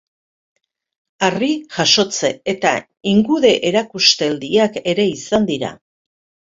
Harri-jasotze eta ingude erakusteldiak ere izan dira.